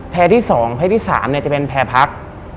แพร่ที่๒แพร่ที่๓เนี่ยจะเป็นแพร่พัก